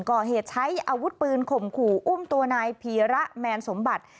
ก่อเหตุใช้อาวุธปืนข่มขู่อุ้มตัวนายพีระแมนสมบัติ